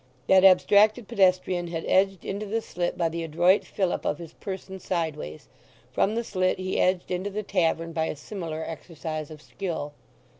That abstracted pedestrian had edged into the slit by the adroit fillip of his person sideways; from the slit he edged into the tavern by a similar exercise of skill.